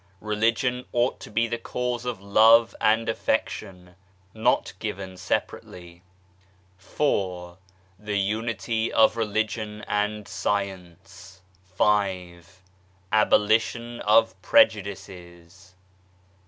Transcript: Religion ought to be the Cause of Love and Affection. (Not given separately.) IV. The Unity of Religion and Science. V. Abolition of Prejudices.